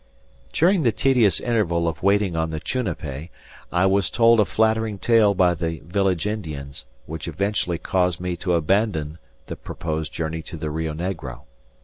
During the tedious interval of waiting on the Chunapay I was told a flattering tale by the village Indians, which eventually caused me to abandon the proposed journey to the Rio Negro.